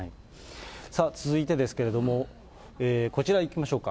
続いてですけれども、こちらいきましょうか。